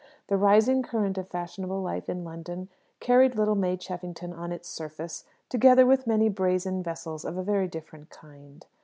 The rushing current of fashionable life in London carried little May Cheffington on its surface, together with many brazen vessels of a very different kind.